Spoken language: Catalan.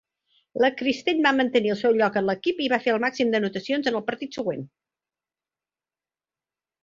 La Kirsten va mantenir el seu lloc en l'equip i va fer el màxim d'anotacions en el partit següent.